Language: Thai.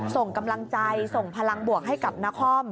ส่งกำลังใจส่งพลังบวกให้กับนคร